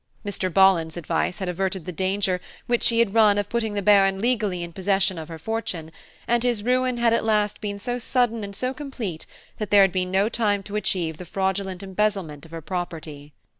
Mr. Bolland's advice had averted the danger which she had run of putting the Baron legally in possession of her fortune, and his ruin had at last been so sudden and so complete that there had been no time to achieve the fraudulent embezzlement of her property.